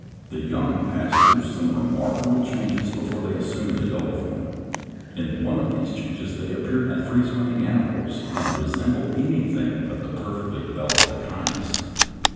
The young pass through some remarkable changes before they assume the adult form. In one of these changes they appear as free swimming animals (Fig. 57), and resemble anything but the perfectly developed Echinus.